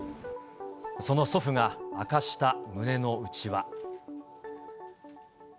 その祖父が明かした胸の内は。